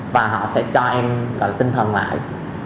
và họ sẽ cho em gọi là tinh thần lại